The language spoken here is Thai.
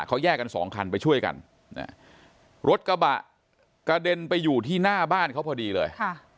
เขาแยกกันสองคันไปช่วยกันรถกระบะกระเด็นไปอยู่ที่หน้าบ้านเขาพอดีเลย